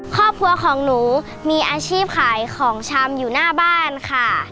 ครอบครัวของหนูมีอาชีพขายของชำอยู่หน้าบ้านค่ะ